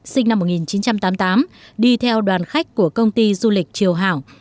sinh năm một nghìn chín trăm tám mươi tám đi theo đoàn khách của công ty du lịch triều hảo